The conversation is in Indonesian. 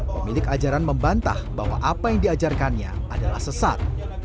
pemilik ajaran membantah bahwa apa yang diajarkannya adalah sesat